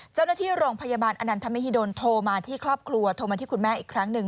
เจ้าหน้าที่โรงพยาบาลอนันทมหิดลโทรมาที่ครอบครัวโทรมาที่คุณแม่อีกครั้งหนึ่ง